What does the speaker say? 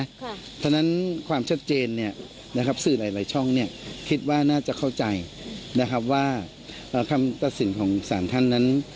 เพราะฉะนั้นความชัดเจนสื่อหลายช่องคิดว่าน่าจะเข้าใจว่าคำตัดสินของศาลท่านนั้น